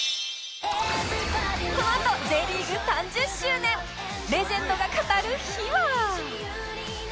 このあと Ｊ リーグ３０周年レジェンドが語る秘話